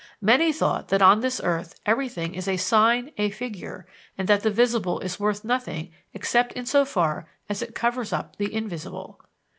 "Many thought that on this earth everything is a sign, a figure, and that the visible is worth nothing except insofar as it covers up the invisible."